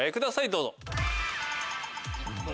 どうぞ。